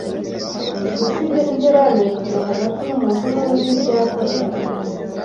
Gusiga intera ya metero hagati y’umuntu nundi byafasha